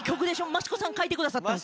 益子さん書いてくださったの。